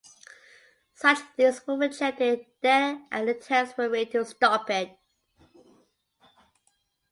Such things were rejected there and attempts were made to stop it.